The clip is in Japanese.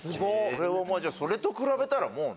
それと比べたらもうね。